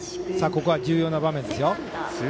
ここは重要な場面ですよ。